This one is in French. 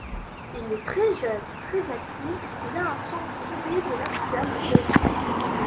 Il est très jeune, très actif, il a un sens inné de l'actualité.